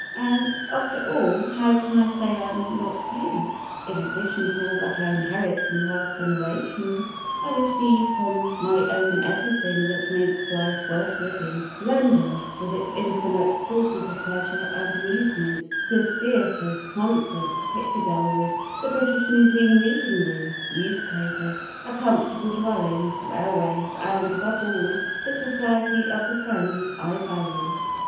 And, after all, how can I say I am not paid? In addition to all that I inherit from past generations I receive from my own everything that makes life worth living—London, with its infinite sources of pleasure and amusement, good theatres, concerts, picture galleries, the British Museum Reading Room, newspapers, a comfortable dwelling, railways and, above all, the society of the friends I value.